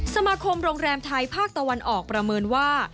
สมาคมโรงแรมไทยภาคตะวันออกประเมินว่า